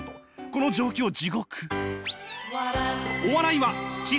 この状況地獄。